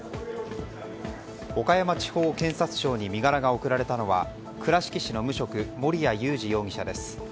岡山地方警察庁に身柄が送られたのは倉敷市の無職守屋雄二容疑者です。